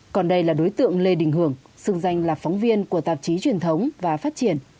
còn đây là đối tượng lê đình hưởng xưng danh là phóng viên của tạp chí truyền thống và phát triển